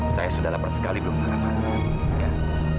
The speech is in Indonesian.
saya sudah lapar sekali belum sarapan